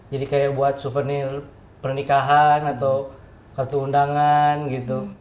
kayak buat souvenir pernikahan atau kartu undangan gitu